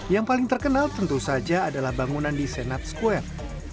yang paling terkenal tentu saja adalah bangunan di senat square